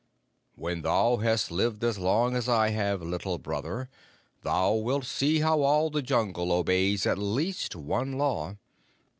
"When thou hast lived as long as I have, Little Brother, thou wilt see how all the Jungle obeys at least one Law.